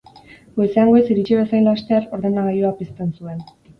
Goizean goiz iritsi bezain laster, ordenagailua pizten zuen.